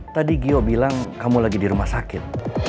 tadi gio bilang kamu lagi di rumah sakit